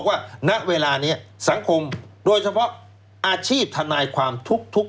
ณเวลานี้สังคมโดยเฉพาะอาชีพทนายความทุก